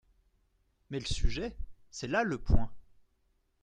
Mais le sujet ? c'est là le point.